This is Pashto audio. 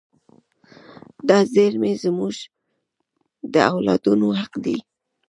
دا زیرمې زموږ د اولادونو حق دی.